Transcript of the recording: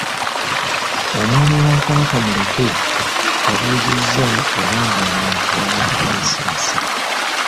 Omwami wa Kabaka Muleke yabuuzizza oba nga abantu bawa layisinsi.